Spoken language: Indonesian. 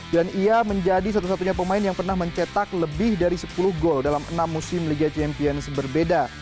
dan ia menjadi satu satunya pemain yang pernah mencetak lebih dari sepuluh gol dalam enam musim liga champions berbeda